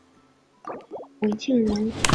讳庆仁。